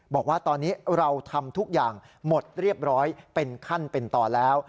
บอกว่าตอนนี้เราทำทุกอย่างหมดเรียบร้อยเป็นขั้นเป็นตอนแล้ว